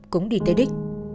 cũng đi tới đích